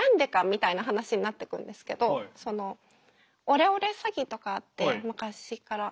みたいな話になってくるんですけどそのオレオレ詐欺とかって昔から。